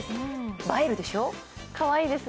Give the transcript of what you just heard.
映えるでしょう？